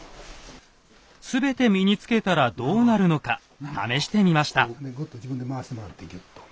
全て身につけたらどうなるのか試してみました。